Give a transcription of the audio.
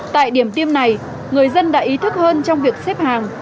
tại điểm tiêm này người dân đã ý thức hơn trong việc xếp hàng